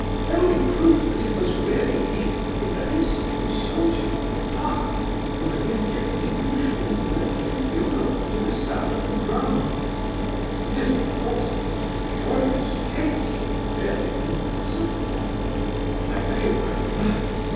Everything proved that it was really he, the very same soldier Kolpakoff who had been given the usual military funeral to the sound of the drum. It is of course a most curious case—nearly an impossible one. I recognize that...